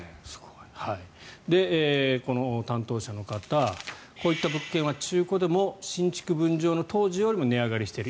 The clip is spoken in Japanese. この担当者の方こういった物件は中古でも新築分譲の当時よりも値上がりしている。